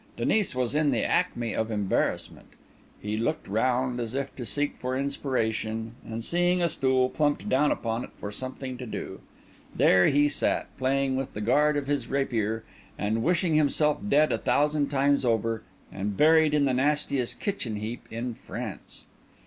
Denis was in the acme of embarrassment. He looked round, as if to seek for inspiration, and seeing a stool, plumped down upon it for something to do. There he sat, playing with the guard of his rapier, and wishing himself dead a thousand times over, and buried in the nastiest kitchen heap in France.